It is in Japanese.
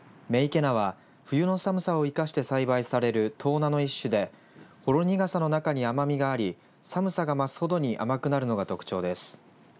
女池菜は冬の寒さを生かして栽培されるとう菜の一種でほろ苦さの中に甘みがあり寒さが増すほどに甘くなるのが特徴です。